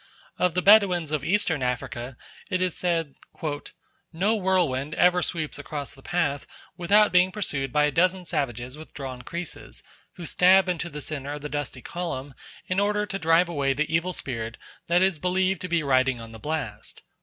Of the Bedouins of Eastern Africa it is said that "no whirl wind ever sweeps across the path without being pursued by a dozen savages with drawn creeses, who stab into the centre of the dusty column in order to drive away the evil spirit that is believed to be riding on the blast."